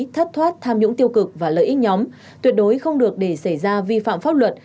thất thoát tham nhũng tiêu cực và lợi ích nhóm tuyệt đối không được để xảy ra vi phạm pháp luật